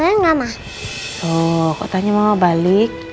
tuh kok tanya mama balik